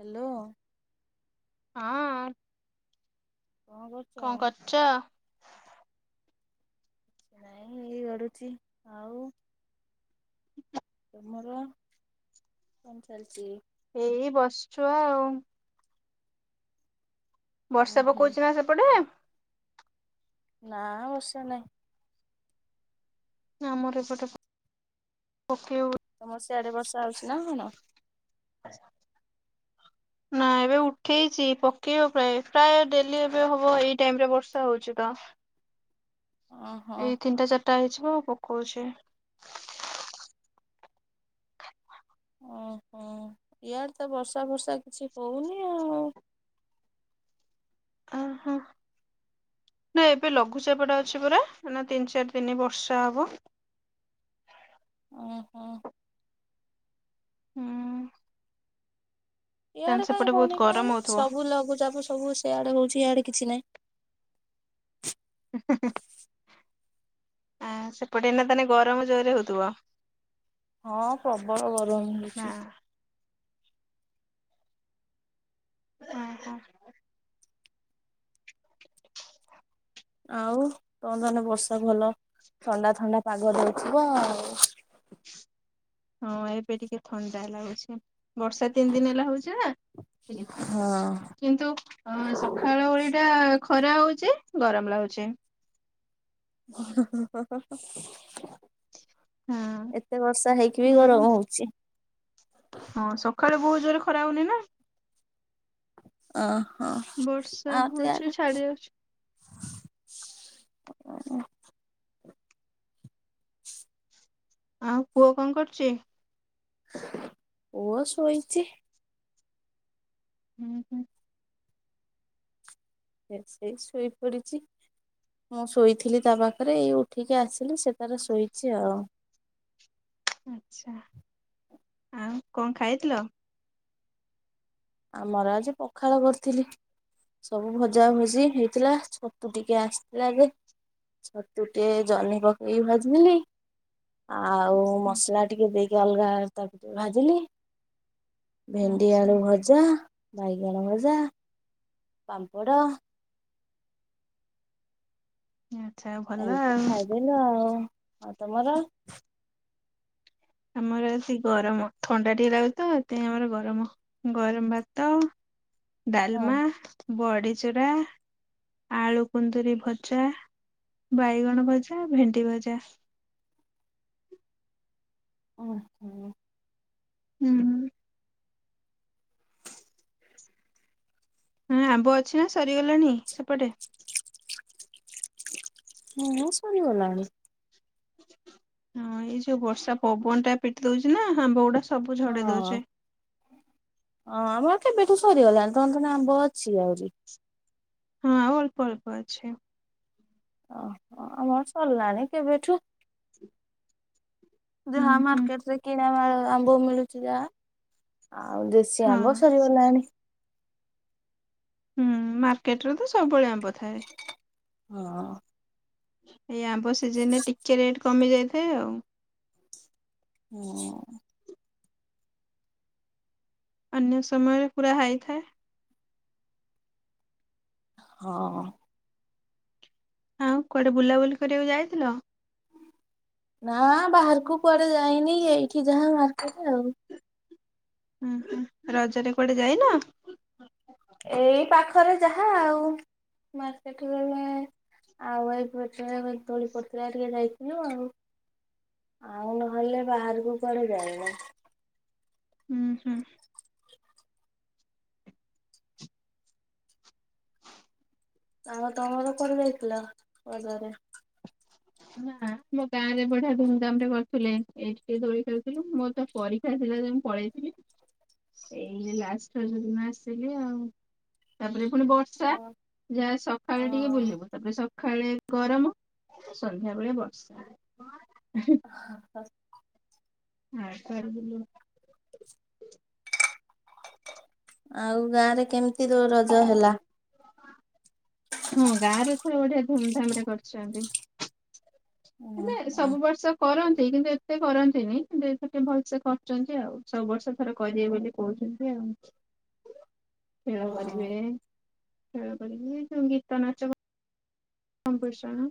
Hello. ହଁ କଣ କରୁଛ? କଣ କରୁଥିଲ? ନାଇଁ ଏଇ ଗଡୁଚି ଆଉ? ତମର କଣ ଚାଲିଛି? ଏଇ ବସିଛୁ ଆଉ। ଉଁ ବର୍ଷା ହୁଁ। ପକଉଚି ନା ସେପଟେ? ନା ବର୍ଷା ନାଇଁ। ଆମର ଏପଟେ ପକେଇବ ତମର ସିଆଡେ ବର୍ଷା ହଉଚି ନା କଣ? [unintelligible] ନା ଏବେ ଉଠେଇଚି, ପକେଇବ ପ୍ରାୟ ପ୍ରାୟ ଡେଲି ଏବେ ହବ ଏଇ ଟାଇମରେ ବର୍ଷା ହଉଚି ତ। ଓହୋ। ଏଇ ତିନିଟା ଚାରିଟା ହେଇଯିବ ପକଉଛି। ଓହୋ ଇଆଡେ ତ ବର୍ଷା ଫର୍ଷା କିଛି ହଉନି ଆଉ। ଓହୋ। ଏବେ ଲଘୁଚାପଟା ଅଛି ପୁରା ଏନା ତିନି ଚାରି ତିନି ବର୍ଷା ହବ। ଓହୋ। ହୁଁ। ତାହେଲେ ଇଆଡେ କାଇଁ ସେପଟେ ବହୁତ ହଉନି ଗରମ କେଜାଣି? ହଉଥିବ ସବୁ ଲଘୁଚାପ ସବୁ ସିଆଡେ ହଉଚି ଇଆଡେ କିଛି ନାହିଁ। ଆ ସେପଟେ ଏଇନା ତାନେ ଗରମ ଜୋରେ ହଉଥିବ? ହଁ ପ୍ରବଳ ଗରମ ନା। ହଉଚି। ଓହୋ। ଆଉ ତମ ଧାନେ ବର୍ଷା ଭଲ ଥଣ୍ଡା ଥଣ୍ଡା ପାଗ ଦଉଥିବ ଆଉ। ହଁ ଏବେ ଟିକେ ଥଣ୍ଡା ଲାଗୁଛି। ବର୍ଷା ତିନି ଦିନ ହେଲା ହଉଚି ନା [unintelligible] ଟା ଅଛି। ଆଉ। କିନ୍ତୁ ଅ ସଖାଳ ଓଳିଟା ଖରା ହଉଚି ଗରମ ଲାଗୁଚି। ହଁ। ହଁ ଏତେ ବର୍ଷା ହେଇକି ବି ଗରମ ହଉଚି। ସଖାଳେ ବହୁତ ଜୋରେ ଖରା ହଉନି ନା। ଓହୋ ବର୍ଷା ଆଉ ତ ହଉଛି ଯାହେଲେ ଛାଡି ଯାଉଛି। [unintelligible] ଆଉ ପୁଅ କଁ କରୁଚି? ପୁଅ ଶୋଇଚି। ହୁଁ ହୁ। ସେ ସେଇ ଶୋଇ ପଡିଚି। ମୁଁ ଶୋଇଥିଲି ତା ପାଖରେ ଏଇ ଉଠିକି ଆସିଲି ସେ ତାର ଶୋଇଛି ଆଉ। ଆଛା ଆଉ କଁ ଖାଇଥିଲ? ଆମର ଆଜି ପଖାଳ କରିଥିଲି। ସବୁ ଭଜା ଭଜି ହେଇଥିଲା, ଛତୁ ଟିକେ ଆସିଥିଲା ଯେ ଛତୁ ଟିଏ ଜହ୍ନି ପକେଇ ଭାଜଦେଲି। ଆଉ ମସଲା ଟିକେ ଦେଇକି ଅଲଗା ତା ଭିତରେ ଭାଜିଲି। ଭେଣ୍ଡି ଆଚ୍ଛା। ଆଳୁ ଭଜା, ବାଇଗଣ ଭଜା ପାମ୍ପଡ଼। ଆଚ୍ଛା ଆଉ। ଭଲ ଏମିତି ଖାଇଦେଲୁ ଆଉ, ଆଉ ତମର? ଆମର ଆଜି ଗରମ, ଥଣ୍ଡା ଟିକେ ଲାଗୁଚି ତ ସେଥିପାଇଁ ଆମର ଗରମ, ଗରମ ଭାତ ଡାଲମା, ବଡ଼ିଚୁରା ଆଳୁ କୁନ୍ଦୁରି ଭଜା, ବାଇଗଣ ଭଜା, ଭେଣ୍ଡି ଭଜା। ଆଚ୍ଛା। ହୁଁଁ। ହୁଁ ଆମ୍ବ ଅଛି ନା ସରିଗଲାଣି ସେପଟେ? [unintelligible] ସରିଗଲାଣି। ହଁ ଏଇ ଯୋଉ ବର୍ଷା ପବନ ଟା ପିଟି ଦଉଛି ନା ଆମ୍ବ ଗୁଡା ସବୁ ଝଡେଇ ଦଉଛି। ହଁ। ହଁ ଆମର କେବେଠୁ ସରିଗଲାଣି ତର ତୋ ଆମ୍ବ ଅଛି ଆହୁରି। ହଁ ଆଉ ଅଳ୍ପ ଅଳ୍ପ ଅଛି। ଓହୋ ଆମର ସରିଲାଣି କେବେଠୁ। ହୁଁ ଯାହା ହୁଁ ମାର୍କେଟ ରେ କିଣା ଆମ୍ବ ମିଳୁଛି ଯା ଆଉ ଦେଶୀ ଆମ୍ବ ହଁ। ସରିଗଲାଣି। ହୁଁ ମାର୍କେଟରେ ତ ସବୁବେଳେ ଆମ୍ବ ଥାଏ। ହଁ ଏଇ ଆମ୍ବ ସିଜନ ରେ ଟିକେ ରେଟ କମି ଯାଇଥାଏ ଆଉ। ହୁଁ ଅନ୍ୟ ସମୟରେ ପୁରା ହାଇ ଥାଏ। ହଁ ଆଉ କୁଆଡେ ବୁଲାବୁଲି କରିବାକୁ ଯାଇଥିଲ? ନା, ବାହାରକୁ କୁଆଡେ ଯାଇନି ଏଇଠି ଯାହା ମାର୍କେଟ ଆଉ। ଉଁ ହୁଁଁ, ରଜରେ କୁଆଡେ ଯାଇନ? ଏଇ ପାଖରେ ଯାହା ଆଉ ମାର୍କେଟ ଗଲେ ଆଉ ଏଇପରେ ଗୋ ଦୋଳି ପଡିଥିଲା ଟିକେ ଯାଇଥିଲୁ ଆଉ। ଆଉ ନହେଲେ ବାହାରକୁ କୁଆଡ଼େ ଯାଇନୁ। ହୁଁ ହୁଁ। ଆମ ତମର କୁଆଡେ ଯାଇଥିଲ ରଜରେ? ନାଁ ମୋ ଗାଁ ରେ ବଢିଆ ଧୁମଧାମ ରେ କରୁଥିଲେ ଏଇ ଟିକେ ଦୋଳି ଖେଳଥିଲୁ ମୋର ତ ପରୀ କ୍ଷ୍ୟା ଥିଲା ଯେ ମୁଁ ପଳେଇଥିଲି। ଏଇ ଲାଷ୍ଟ ରଜ ଦିନ ଆସିଥିଲି ଆଉ ତାପରେ ପୁଣି ବ ଷା ଯାହା ସକାଳେ ଟିକେ ହଁ। ବୁଲିବୁ ତାପରେ ସକାଳେ ଗରମ ସନ୍ଧ୍ୟା ବଳେ ବର୍ଷା। ହଁ ଆ ଆଁ [unintelligible] ଆଉ ଗାଁ ରେ କେମିତି ରଜ ହେଲା? ହଁ ଗାଁ ରେ ଏଥର ବଢିଆ ଧୁମଧାମ ରେ କରୁଛନ୍ତି। ହୁଁ ମାମେ ସବୁ ବର୍ଷ କରନ୍ତି କିନ୍ତୁ ଏତେ କରନ୍ତିନି କିନ୍ତୁ ଏଥର ଟିକେ ଭଲସେ କରୁଛନ୍ତି ଆଉ ସବୁ ବର୍ଷ ଥର କରିିଦେଇ ଗଲି କହୁଛନ୍ତି ଆଉ। ଖେଳ କରିବେ ଖେଳ କରିବେ ଯୋଉ ଗୀତ ନାଚ କ କମ୍ପିଡିସଣ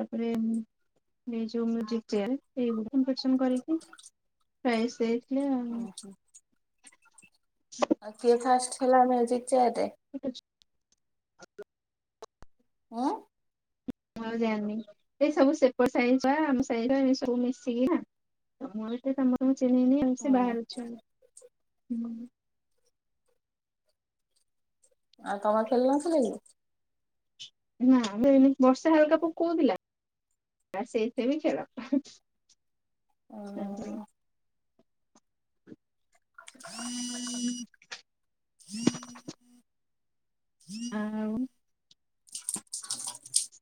ତାପରେ ଏଇ ଯଉ ମ୍ୟୁଜିକ ଚେୟାର ଏଇଗୁଡ଼ା। କମ୍ପିଡିସନ କରିକି [unintelligible] ଓହୋ ଆଉ କିଏ ଫାଷ୍ଟ ହେଲା ମେଜିକ ଚେୟାରରେ? ଠିକ୍ ଅଛି। ହଁ। ମୁଁ ଆଉ ଜାଣିନି ଏଇ ସବୁ ସେପଟ ସାଇ ଛୁଆ ଆମ ସାଇର ଏସବୁ ମିଶିକି ନା ମୁଁ ଏତ ତମଆମ ଚିହ୍ନନି ଆଉ ହୁଁ ସେ ହୁଁ ବାହାର ଛୁଆ। ଆଉ ତମେ ମାନେ ଖେଳୁନଥିଲ କି? ନାମ ଏନି ବର୍ଷା ହାଲକା ପକଉଥିଲା। ଆ ସେଇଥିରେ ବି ଖେଳ। ହୁଁ। [inaudible] ଆଉ ହ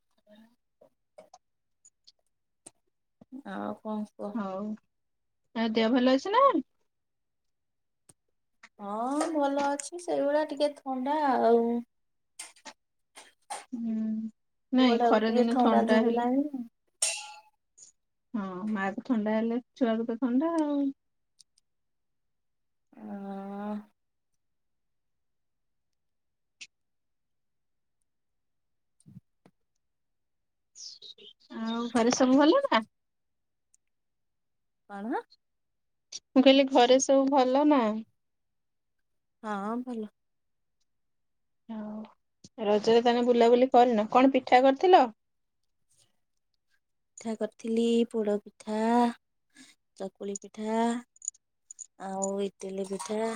[inaudible] ଆଉ କଣ କୁହ? ହଉ ଆଉ ଦେହ ଭଲ ଅଛି ନା? ହଁ, ଭଲ ଅଛି ସେଇଭଳିଆ ଟିକେ ଥଣ୍ଡା ଆଉ। ହୁଁ ନାଇଁ ପୁଅଟା ଖରା ଟିକେ ଦିନେ ଥଣ୍ଡା ହେଲେ ଧରିଲାଣି। ହଁ, ମାଆ ତ ଥଣ୍ଡା ହେଲେ ଛୁଆକୁ ତ ଥଣ୍ଡା ଆଉ। ହଁ। ଆଉ ଘରେ ସବୁ ଭଲ ନା? କଣ? ମୁଁ କହିଲି ଘରେ ସବୁ ଭଲ ନା? ହଁ ଭଲ। ହଉ, ରଜରେ ତାନେ ବୁଲାବୁଲି କରିନ। କଣ ପିଠା କରିଥିଲ? ପିଠା କରିଥିଲି ପୋଡ ପିଠା, ଚକୁଳି ପିଠା, ଆଉ ଇଟିଲି ପିଠା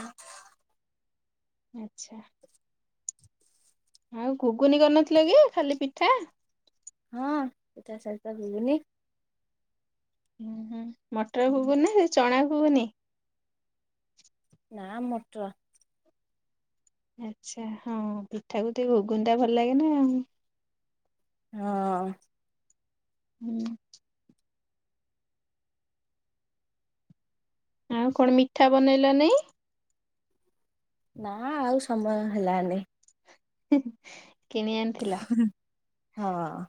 ଆଚ୍ଛା। ଆଉ ଘୁଗୁନି କରିନଥିଲ କି ଖାଲି ପିଠା? ହଁ ପିଠା ସହିତ ଘୁଗୁନି। ଉୁଁ ହୁଁ ମଟର ଘୁଗୁନି ନା ସେ ଚଣା ଘୁଗୁନି? ନାଁ ମଟ ଆଚ୍ଛା ହଁ ପିଠାକୁ ଟିକେ ଘୁଗୁନି ଭଲ ଲାଗେ ନା ଆଉ। ହଁ। ହୁଁ। ଆଉ କଣ ମିଠା ବନେଇଲ ନି? ନା ଆଉ ସମୟ ହେଲାନି। କିଣି ଆଣିଥିଲା। ହଁ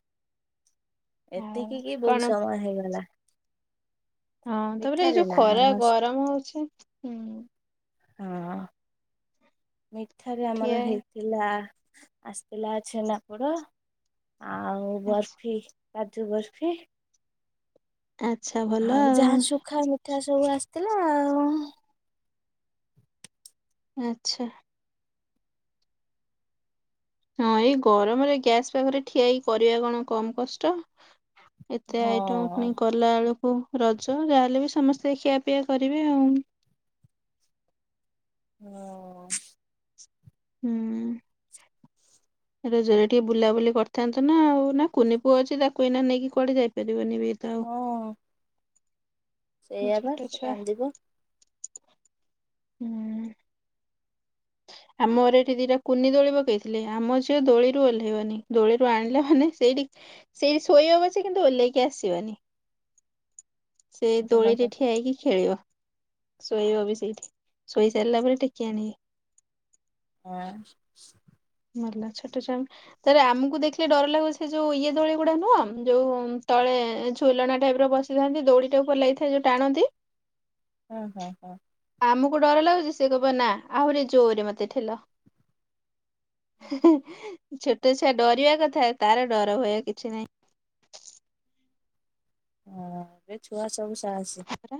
ଆଉ ଏତିକି କିି ବହୁତ କଣ? ସମୟ ହେଇଗଲା। ହଁ ତାପରେ ଏଇ ମିଠାରେ ଯୋଉ ନା ଖରା ଆମ ଗରମ ହଉଛି। ହୁଁ ହଁ ମିଠାରେ ଠିଆ ଆମର ହେ ଥିଲା ଆସିଥିଲା ଛେନାପୋଡ, ଆଉ ବର୍ଫି। କାଜୁ ବର୍ଫି। ଆଚ୍ଛା ଭଲ ଆଉ ଯାହା ଶୁଖା ମିଠା ସବୁ ଆସିଥିଲା ଆଉ। ଆଚ୍ଛା। ହଁ ଏଇ ଗରମରେ ଗ୍ୟାସ ପାଖରେ ଠିଆ ହେଇକି କରିବା କଣ କମ କଷ୍ଟ। ଏତେ ହଁ ଆଇଟମ ପୁଣି କଲା ବେଳକୁ ରଜ ଯାହାହେଲେ ବି ସମସ୍ତେ ଖିଆପିଆ କରିବେ ଆଉ। ହଁ। ହୁଁ। ରଜରେ ଟିକେ ବୁଲାବୁଲି କରିଥାନ୍ତେନା ନା ଆଉ ନା କୁନି ପୁଅ ଅଛି ତାକୁ ଏଇନା ନେଇକିଆଡେ ଯାଇ ପାରିବନି ବିତ ଆଉ। ସେଇଆବା ଛୋଟ ସେ ଛୁଆ। କାନ୍ଦିବ। ହୁଁ। ଆମର ଏଠି ଦିଟା କୁନି ଦୋଳି ପକେଇଥିଲେ ଆମ ଝିଅ ଦୋଳିରୁ ଓହ୍ଲାଇବନି ଦୋଳିରୁ ଆଣିଲେ ମାନେ ସେଇଠି ସେଇଠି ଶୋଇବ ପଛେ କିନ୍ତୁ ଓହ୍ଲେଇକି ଆସିବନି। ସେ ହଁ ଦୋଳିରେ ହଁ ଠିଆହେଇକି ଖେଳିବ। ଶୋଇବ ବି ସେଇଠି ଶୋଇ ସାରିଲା ପରେ ଟେକି ଆଣିବେ। ହଁ। ଭଲ ଛୋଟ ଛୁଆଙ୍କ ଥରେ ଆମକୁ ଦେଖିଲେ ଡର ଲାଗୁ ସେ ଯୋଉ ଇଏ ଦୋଳି ଗୁଡା ନୁହଁ ଯୋଉ ତଳେ ଝୁଲଣା ଟାଇପ ର ବସି ଥାନ୍ତି ଦଉଡିଟା ଉପରେ ଲାଗିଥାଏ ଯୋଉ ଟାଣନ୍ତି? ହଁ, ହଁ, ହଁ। ଆମକୁ ଡର ଲାଗୁଛି ସେ କହିବ ନା ଆହୁରି ଜୋରରେ ମତେ ଠେଲ। ହେ ହେ ଛୋଟ ଛୁଆ ଡରିବା କଥା ତାର ଡର ଭୟ କିଛି ନାହିଁ। ହଁ ଏବେ ଛୁଆ ସବୁ ସାହସୀ। ପରା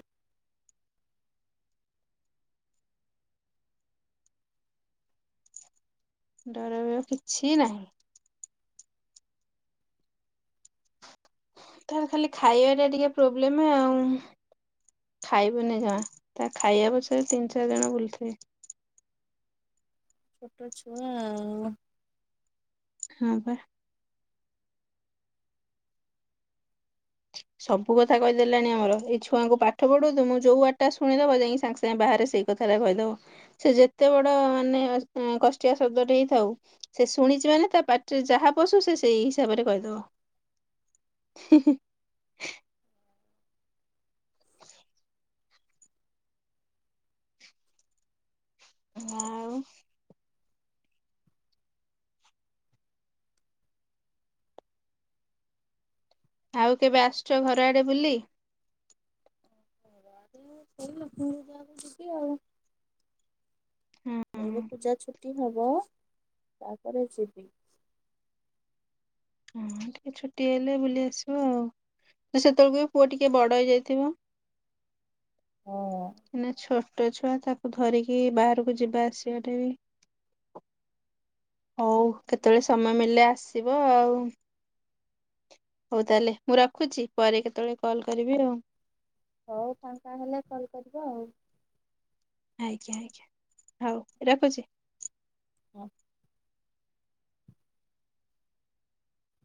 ଡର ଭୟ କିଛି ନାହିଁ। ତାର ଖାଲି ଖାଇବାଟା ଟିକେ ପ୍ରୋବ୍ଲେମେ ଆଉ। ଖାଇବନେଇ ଜମା ତା ଖାଇବା ପଛରେ ତିନି ଚାରି ଜଣ ବୁଲଥୁବେ। ଛୋଟ ଛୁଆ ଆଉ। ହଁ ପା। ସବୁ କଥା କହିଦେଲାଣି ଆମର ଏଇ ଛୁଆଙ୍କୁ ପାଠ ପଢ଼ଉତୁମୁ ଯୋଉ ୱାଡ଼ଟା ଶୁଣିିଦବ ଯାଇଁକି ସାଙ୍ଗେ ସାଙ୍ଗେ ବାହାରେ ସେଇ କଥାଟା କହିଦବ ସେ ଯେତେ ବଡ଼ ମାନେ ଅ କଷ୍ଟିଆ ଶବ୍ଦଟେ ହେଇଥାଉ। ସେ ଶୁଣିଚି ମାନେ ତା ପାଟିରେ ଯାହା ପଶୁ ସେ ସେଇ ହିସାବରେ କହିଦବ। [unintelligible] ହଁ ଆଉ ଆଉ କେବେ ଆସୁଚ ଘର ଆଡ଼େ ବୁଲି? କୁଆଡ଼େ ସେଇ ଲକ୍ଷ୍ମୀ ପୂଜାକୁ ଯିବି ଆଉ। ହୁଁ ଏବେ ପୂଜା ଛୁଟି ହବ ତାପରେ ଯିବି। ହଁ ଟିକେ ଛୁଟି ହେଲେ ବୁଲି ଆସିବ ଆଉ। ତ ସେତୋଳୁକୁ ବି ପୁଅ ଟିକେ ବଡ଼ ହେଇଯାଇଥିବ। ହଁ ଏନାଁ ଛୋଟ ଛୁଆ ତାକୁ ଧରିକି ବାହାରୁକୁ ଯିବା ଆସିବାଟା ବି ହଉ କେତୋଳେ ସମୟ ମିଳିଲେ ଆସିବ ଆଉ। ହୋଉ ତାହେଲେ ମୁଁ ରଖୁଚି ପରେ କେତୋଳେ କଲ୍ କରିବି ଆଉ। ହଉ ଫାଙ୍କା ହେଲେ କଲ୍ କରିବା ଆଉ। ଆଜ୍ଞା ଆଜ୍ଞା ହଉ ରଖୁଚି। ହଁ।